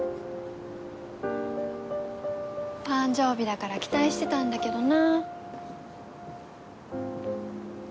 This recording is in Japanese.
誕生日だから期待してたんだけどな。